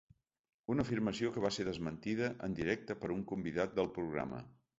Una afirmació que va ser desmentida en directe per un convidat del programa.